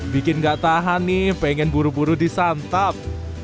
bikin gak tahan nih pengen buru buru disantap